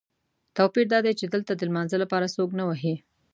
توپیر دادی چې دلته د لمانځه لپاره څوک نه وهي.